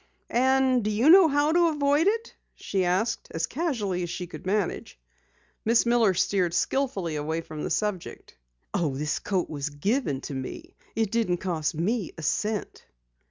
"And do you know how to avoid it?" she asked as casually as she could manage. Miss Miller steered skilfully away from the subject. "Oh, this coat was given to me. It didn't cost me a cent."